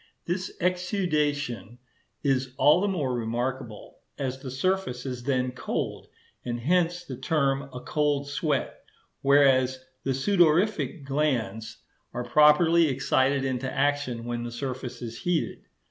This exudation is all the more remarkable, as the surface is then cold, and hence the term a cold sweat; whereas, the sudorific glands are properly excited into action when the surface is heated.